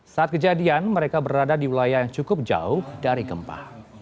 saat kejadian mereka berada di wilayah yang cukup jauh dari gempa